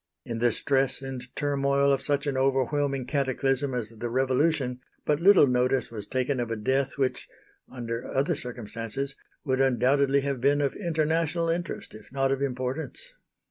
In the stress and turmoil of such an overwhelming cataclysm as the Revolution, but little notice was taken of a death which, under other circumstances, would undoubtedly have been of international interest if not of importance.